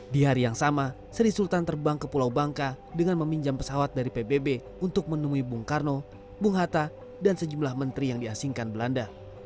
di hari yang sama sri sultan terbang ke pulau bangka dengan meminjam pesawat dari pbb untuk menemui bung karno bung hatta dan sejumlah menteri yang diasingkan belanda